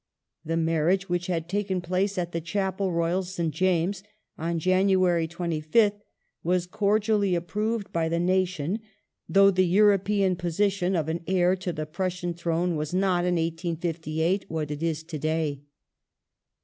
The marriage which had taken place at the Chapel Royal, St. James', on January 25th, was cordially approved by the nation, though the European position of an heir to the Prussian throne was not, in 1858, what it is to day.